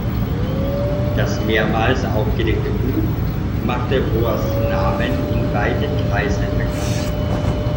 Das mehrmals aufgelegte Buch machte Boas Namen in weiten Kreisen bekannt.